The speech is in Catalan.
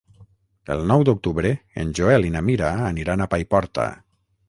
El nou d'octubre en Joel i na Mira aniran a Paiporta.